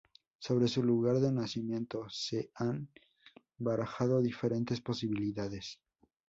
Sobre su lugar de nacimiento se han barajado diferentes posibilidades.